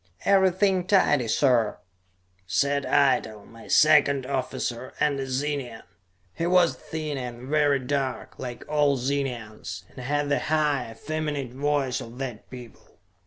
"Everything tidy, sir," said Eitel, my second officer, and a Zenian. He was thin and very dark, like all Zenians, and had the high, effeminate voice of that people.